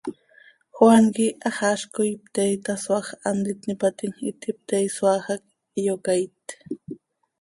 Juan quih haxaazc coi pte itasoaaj, hant itnípatim, iti pte isoaaj hac iyocaait.